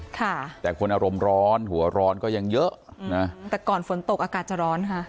ค่ะแต่คนอารมณ์ร้อนหัวร้อนก็ยังเยอะนะแต่ก่อนฝนตกอากาศจะร้อนค่ะ